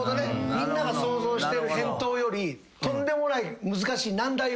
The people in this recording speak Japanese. みんなが想像してる返答よりとんでもない難しい難題を。